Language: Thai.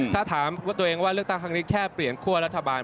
ถ้าถามว่าตัวเองว่าเลือกตั้งครั้งนี้แค่เปลี่ยนคั่วรัฐบาล